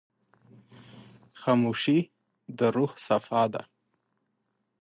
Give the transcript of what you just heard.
خاموشي، د روح صفا ده.